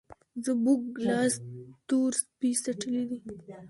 زموږ لاس تور سپی څټلی دی.